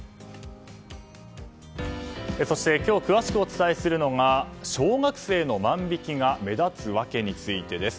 そして今日、詳しくお伝えするのが小学生の万引きが目立つ訳についてです。